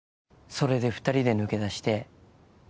それで２人で抜け出して。